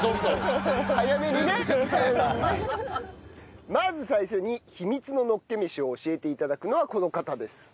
まず最初に秘密ののっけ飯を教えて頂くのはこの方です。